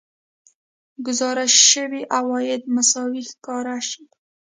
ګزارش شوي عواید مساوي ښکاره شي